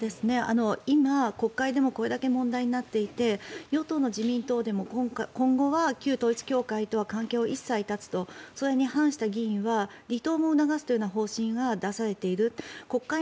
今、国会でもこれだけ問題になっていて与党の自民党でも今後は旧統一教会とは関係を一切断つとそれに反した議員は離党も促すという方針が出されている。